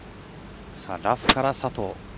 ラフから佐藤。